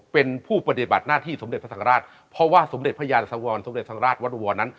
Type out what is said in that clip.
เป็นผู้ปฏิบัติหน้าที่สมเด็จพระสังราชเพราะว่าสมเด็จพระยานสวรสมเด็จสังราชวรนั้น